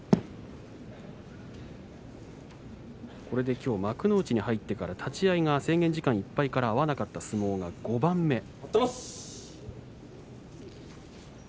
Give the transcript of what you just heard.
これできょう幕内に入ってから立ち合いが制限時間いっぱいから合わなかった相撲が５番目。